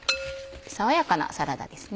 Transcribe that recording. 爽やかなサラダですね。